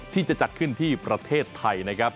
ที่จะจัดขึ้นที่ประเทศไทยนะครับ